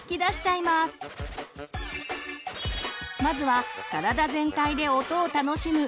まずは体全体で音を楽しむ